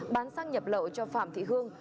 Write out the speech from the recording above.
bán xăng nhập lậu cho phạm thị hương